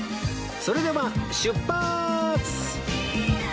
それでは出発！